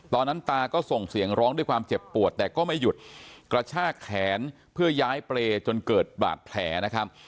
ตาก็ส่งเสียงร้องด้วยความเจ็บปวดแต่ก็ไม่หยุดกระชากแขนเพื่อย้ายเปรย์จนเกิดบาดแผลนะครับ